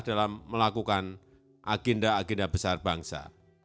dalam melakukan agenda agenda besar bangsa